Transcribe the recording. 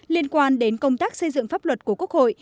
liên quan đến công tác xây dựng pháp luật của quốc hội